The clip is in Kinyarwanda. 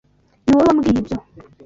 Niwowe wambwiye ibyo.